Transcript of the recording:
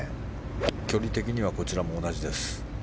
距離的にはこちらも同じです。